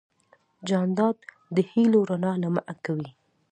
جانداد د هېلو رڼا لمع کوي.